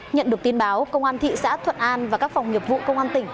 nhận được tin báo công an thị xã thuận an và các phòng nghiệp vụ công an tỉnh